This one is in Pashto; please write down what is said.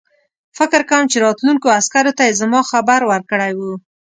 فکر کوم چې راتلونکو عسکرو ته یې زما خبر ورکړی وو.